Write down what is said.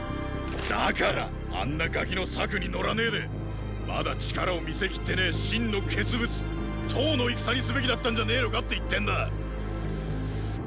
だからあんなガキの策に乗らねぇでまだ力を見せきってねえ秦の傑物騰の戦にすべきだったんじゃねぇのかって言ってんだ！